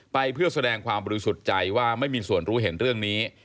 ไปเพื่อแสดงความบริสุทธิ์ใจว่าไม่มีส่วนรู้เห็นเรื่องนี้